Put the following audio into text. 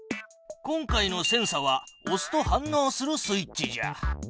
今回のセンサはおすと反のうするスイッチじゃ。